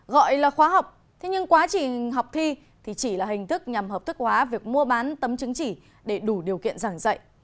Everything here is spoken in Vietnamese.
gọi là khóa học thế nhưng quá trình học thi thì chỉ là hình thức nhằm hợp thức hóa việc mua bán tấm chứng chỉ để đủ điều kiện giảng dạy